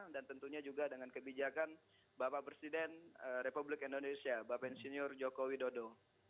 dan tentunya juga dengan kebijakan bapak presiden republik indonesia bapak insinyur joko widodo